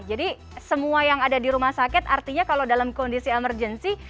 jadi semua yang ada di rumah sakit artinya kalau dalam kondisi emergency